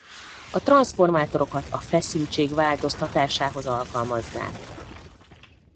A transzformátorokat a feszültség változtatásához alkalmazzák.